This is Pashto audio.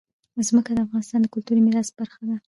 ځمکه د افغانستان د کلتوري میراث برخه ده.